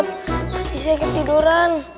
tadi saya ketiduran